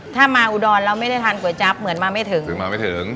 ถ้ามาอุดรแล้วไม่ได้ทานก๋วยจับเหมือนมาไม่ถึงคือมาไม่ถึง